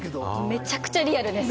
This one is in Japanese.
めちゃくちゃリアルです。